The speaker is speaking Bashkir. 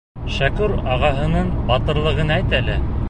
Шәкүр ағаһының батырлығын әйт әле.